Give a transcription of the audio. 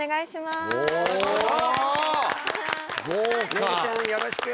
ねるちゃんよろしく。